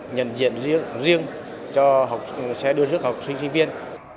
nhận diện riêng cho xe đưa rước học sinh sinh viên